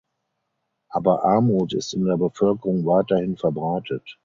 Aber Armut ist in der Bevölkerung weiterhin verbreitet.